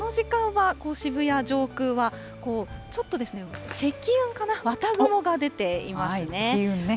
この時間は渋谷上空はちょっとせき雲かな、綿雲が出ていますね。